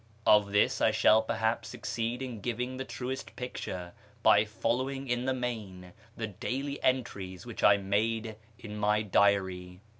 Of this I shall perhaps succeed in giving the truest picture by following in the main the daily entries which I made in my diary.